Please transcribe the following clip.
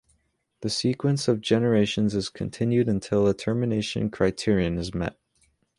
The sequence of generations is continued until a termination criterion is met.